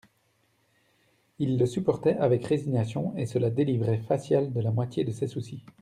Il le supportait avec résignation, et cela délivrait Facial de la moitié de ses soucis.